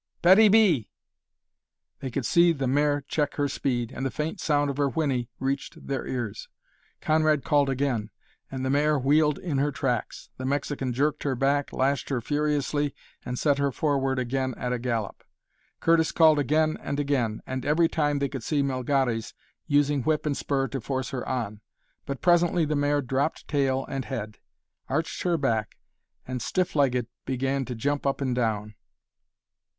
Betty B!" They could see the mare check her speed, and the faint sound of her whinny reached their ears. Conrad called again; and the mare wheeled in her tracks. The Mexican jerked her back, lashed her furiously, and set her forward again at a gallop. Curtis called again and again, and every time they could see Melgares using whip and spur to force her on. But presently the mare dropped tail and head, arched her back, and, stiff legged, began to jump up and down.